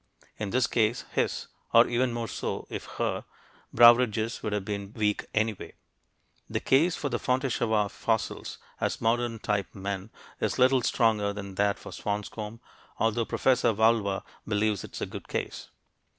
In this case, his (or even more so, if her) brow ridges would have been weak anyway. The case for the Fontéchevade fossils, as modern type men, is little stronger than that for Swanscombe, although Professor Vallois believes it a good case.